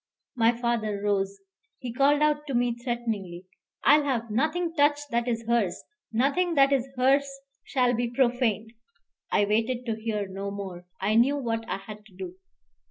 My father rose. He called out to me threateningly, "I will have nothing touched that is hers. Nothing that is hers shall be profaned " I waited to hear no more; I knew what I had to do.